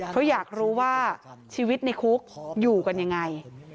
เพราะอยากรู้ว่าชีวิตในคุกอยู่กันยังไง